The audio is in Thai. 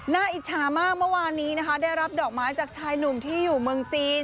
อิจฉามากเมื่อวานนี้นะคะได้รับดอกไม้จากชายหนุ่มที่อยู่เมืองจีน